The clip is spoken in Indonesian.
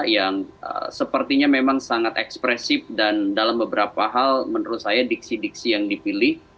yang sepertinya memang sangat ekspresif dan dalam beberapa hal menurut saya diksi diksi yang dipilih